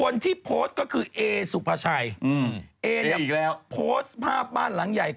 นี่ผิดล่า